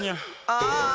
ああ。